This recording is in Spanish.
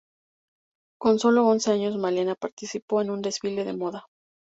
Con sólo once años Malena, participó en un desfile de moda.